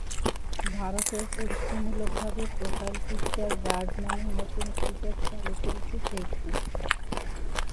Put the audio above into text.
ভারতে পরীক্ষামূলকভাবে profile picture guard নামে নতুন ফিচার চালু করেছে ফেসবুক।